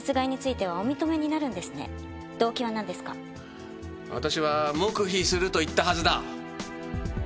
私は黙秘すると言ったはずだ。